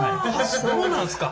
そうなんですか。